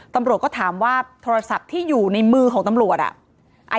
ตำรวจก็ถามว่าโทรศัพท์ที่อยู่ในมือของตำรวจอ่ะ